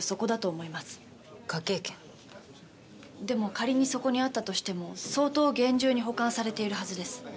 でも仮にそこにあったとしても相当厳重に保管されているはずです。